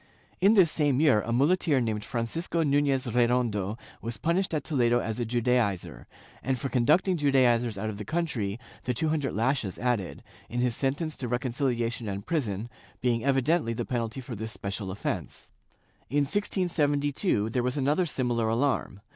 In this same year a muleteer named Francisco Nunez Redondo was punished at Toledo as a Judaizer, and for conducting Judaizers out of the country, the two hundred lashes added, in his sentence to reconciUation and prison, being evidently the penalty for this special offence/ In 1672, there was another similar alarm.